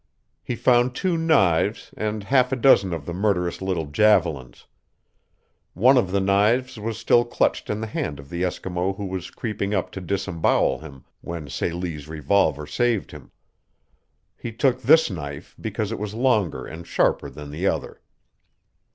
He found two knives and half a dozen of the murderous little javelins. One of the knives was still clutched in the hand of the Eskimo who was creeping up to disembowel him when Celie's revolver saved him. He took this knife because it was longer and sharper than the other.